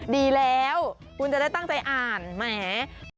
ดีแล้วคุณจะได้ตั้งใจอ่านแหม